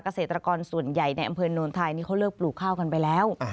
เกษตรกรส่วนใหญ่ในอำเภอโนนไทยนี่เขาเลิกปลูกข้าวกันไปแล้ว